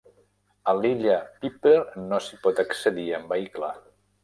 A l'illa Piper no s'hi pot accedir amb vehicle.